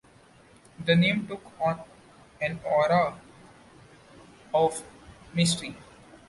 The name took on an aura of mystery.